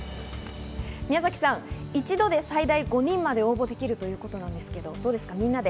宮崎さん、一度で最大５人まで応募できるということなんですけれど、どうですか？